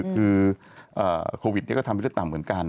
คือโควิดเนี่ยก็ทำให้เลือดต่ำเหมือนกัน